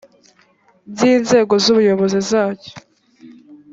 by inzego z ubuyobozi zacyo